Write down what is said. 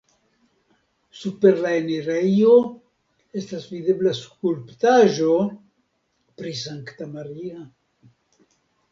Super la enirejo estas videbla skulptaĵo pri Sankta Maria.